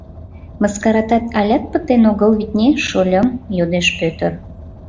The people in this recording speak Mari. — Мыскаратат алят пытен огыл, витне, шольым? — йодеш Пӧтыр.